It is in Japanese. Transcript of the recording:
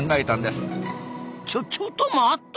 ちょちょっと待った！